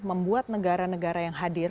membuat negara negara yang hadir